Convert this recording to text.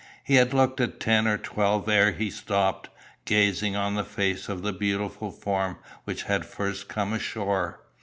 He had looked at ten or twelve ere he stopped, gazing on the face of the beautiful form which had first come ashore.